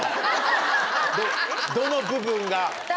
どの部分が？